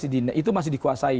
atau dia masih itu masih dikuasai